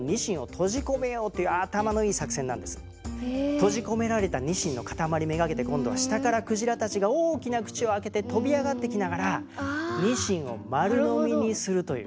閉じ込められたニシンの塊めがけて今度は下からクジラたちが大きな口を開けて跳び上がってきながらニシンを丸のみにするという。